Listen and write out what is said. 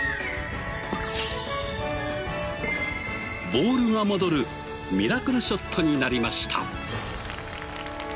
ボールが戻るミラクルショットになりました。